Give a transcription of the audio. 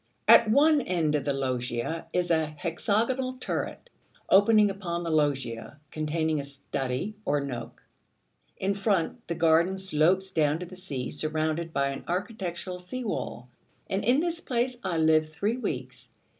At one end of the loggia is a hexagonal turret, opening upon the loggia, containing a study or nook. In front, the garden slopes down to the sea, surrounded by an architectural sea wall; and in this place I lived three weeks.